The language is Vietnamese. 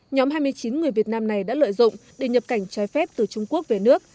nhóm hai mươi chín người việt nam này đã lợi dụng để nhập cảnh trái phép từ trung quốc về nước